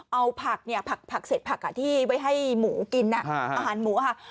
เอาผักเนี่ยผักเสร็จผักที่ไว้ให้หมูกินอาหารหมูค่ะ